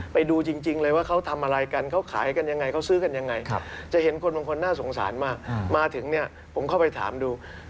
ไปดูจริงเลยว่าเขาทำอะไรกันเขาขายกันยังไงเขาซื้อกันยังไงจะเห็นคนบางคนน่าสงสารมากมาถึงเนี่ยผมเข้าไปถามดู